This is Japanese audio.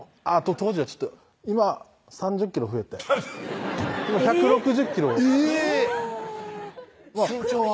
当時はちょっと今３０キロ増えて今１６０キロ身長は？